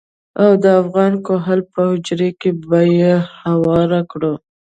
او د افغان کهول په حجره کې به يې هوار کړو.